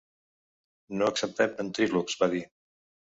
No acceptem ventrílocs, va dir.